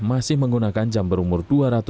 masih menggunakan jam berumur dua lima